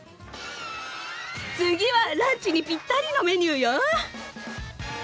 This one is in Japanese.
次はランチにピッタリのメニューよ！